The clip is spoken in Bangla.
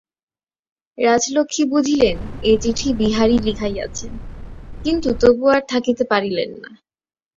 রাজলক্ষ্মী বুঝিলেন, এ চিঠি বিহারীই লিখাইয়াছে–কিন্তু তবু আর থাকিতে পারিলেন না।